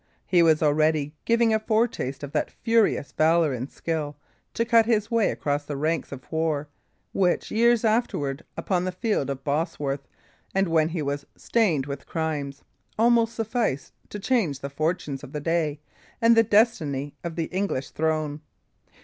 He was already giving a foretaste of that furious valour and skill to cut his way across the ranks of war, which, years afterwards upon the field of Bosworth, and when he was stained with crimes, almost sufficed to change the fortunes of the day and the destiny of the English throne.